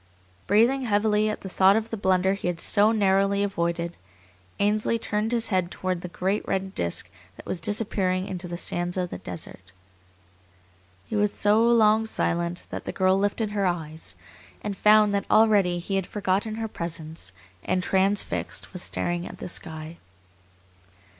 Breathing heavily at the thought of the blunder he had so narrowly avoided, Ainsley turned his head toward the great red disk that was disappearing into the sands of the desert. He was so long silent that the girl lifted her eyes, and found that already he had forgotten her presence and, transfixed, was staring at the sky.